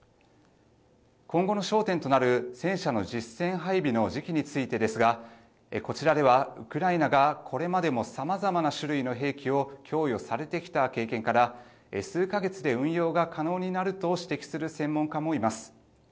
今後の焦点となる戦車の実戦配備の時期についてですがこちらではウクライナがこれまでもさまざまな種類の兵器を供与されてきた経験から数か月で運用が可能になると指摘する専門家もいます。